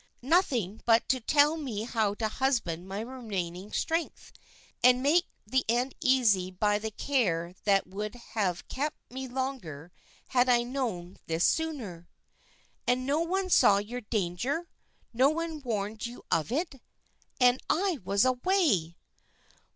"Nothing but tell me how to husband my remaining strength, and make the end easy by the care that would have kept me longer had I known this sooner." "And no one saw your danger; no one warned you of it; and I was away!"